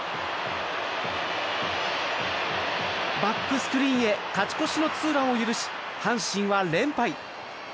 バックスクリーンへ勝ち越しのツーランを許し阪神は連敗。